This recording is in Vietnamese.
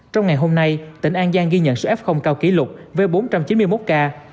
trong ngày hôm nay tỉnh an giang ghi nhận sự f cao kỷ lục với bốn trăm chín mươi một ca